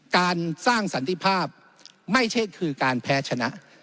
การสร้างสันติภาพไม่ใช่คือการแพ้ชนะ